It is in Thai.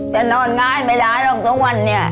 จะนอนง่ายไหมล่ะลุงทุกวันเนี่ย